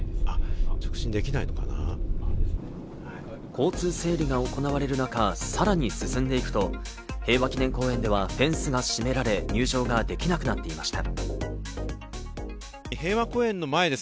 交通整理が行われる中、さらに進んでいくと、平和記念公園ではフェンスが閉められ入場ができなくなっていました。